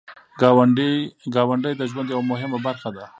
ګاونډی د ژوند یو مهم برخه ده